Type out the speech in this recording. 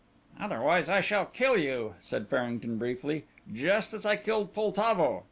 B. "Otherwise I shall kill you," said Farrington briefly, "just as I killed Poltavo.